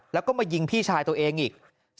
แล้วก็มายิงพี่ชายตัวเองอีก